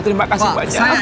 terima kasih banyak